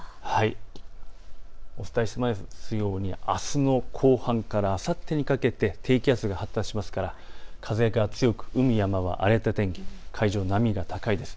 お伝えしているようにあすの後半からあさってにかけて低気圧が発達するので風が強く海、山は荒れた天気、海上も波が高いです。